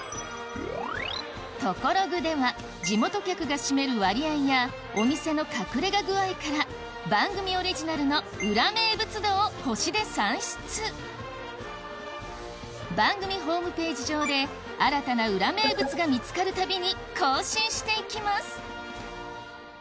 トコログでは地元客が占める割合やお店の隠れ家具合から番組オリジナルの裏名物度を星で算出番組ホームページ上で新たな裏名物が見つかるたびに更新していきます